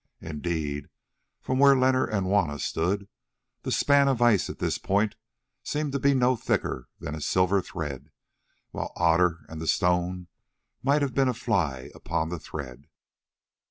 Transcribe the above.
Indeed, from where Leonard and Juanna stood, the span of ice at this point seemed to be no thicker than a silver thread, while Otter and the stone might have been a fly upon the thread.